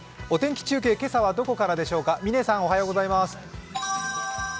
お天気中継、今朝はどこからでしょうか、嶺さん。